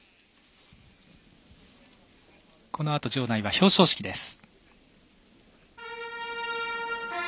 このあと場内は表彰式です。